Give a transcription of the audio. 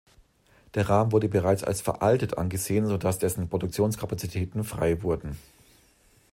Der Ram wurde bereits als veraltet angesehen, so dass dessen Produktionskapazitäten frei wurden.